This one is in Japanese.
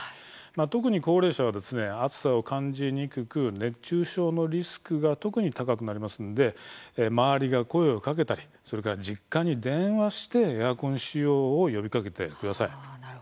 特に高齢者は暑さを感じにくく熱中症のリスクが特に高くなりますので周りが声をかけたり、それから実家に電話してエアコン使用を呼びかけてください。